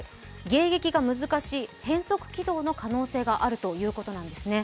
迎撃が難しい変則軌道の可能性があるということなんですね。